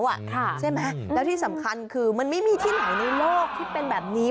ใช่ไหมแล้วที่สำคัญคือมันไม่มีที่ไหนในโลกที่เป็นแบบนี้